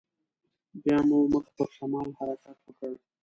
بيا مو مخ پر شمال حرکت وکړ.